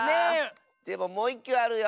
でももういっきゅうあるよ！